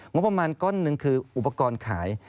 งบประมาณก้อนหนึ่งคืออุปกรณ์ขาย